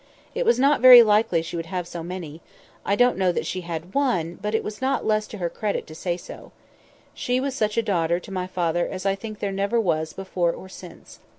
It was not very likely she would have so many—I don't know that she had one; but it was not less to her credit to say so. She was such a daughter to my father as I think there never was before or since.